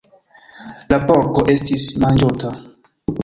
La porko estis manĝota.